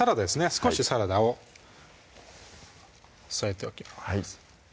少しサラダを添えておきます